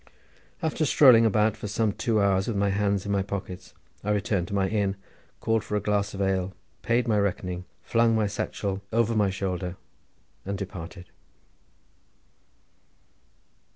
After strolling about for some two hours with my hands in my pockets, I returned to my inn, called for a glass of ale, paid my reckoning, flung my satchel over my shoulder, and departed.